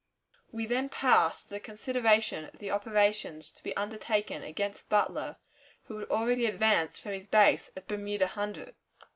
We then passed to the consideration of the operations to be undertaken against Butler, who had already advanced from his base at Bermuda Hundred.